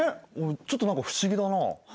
ちょっと何か不思議だなあ。